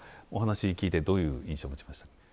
お話聞いてどういう印象持ちましたか？